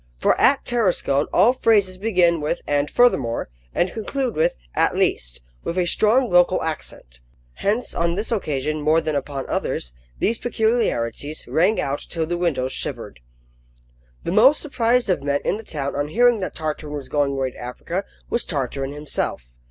For at Tarascon all phrases begin with "and furthermore," and conclude with "at least," with a strong local accent. Hence, on this occasion more than upon others, these peculiarities rang out till the windows shivered. The most surprised of men in the town on hearing that Tartarin was going away to Africa, was Tartarin himself.